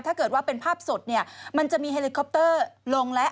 ถ้าเกิดว่าเป็นภาพสดเนี่ยมันจะมีเฮลิคอปเตอร์ลงแล้ว